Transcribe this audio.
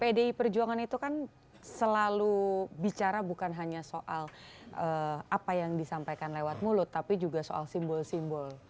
pdi perjuangan itu kan selalu bicara bukan hanya soal apa yang disampaikan lewat mulut tapi juga soal simbol simbol